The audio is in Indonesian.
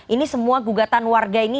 ini semua gugatan warga ini